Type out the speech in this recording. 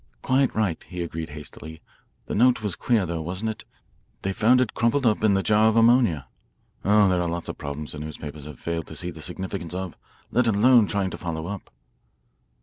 "Quite right," he agreed hastily; "the note was queer, though, wasn't it? They found it crumpled up in the jar of ammonia. Oh, there are lots of problems the newspapers have failed to see the significance of, let alone trying to follow up."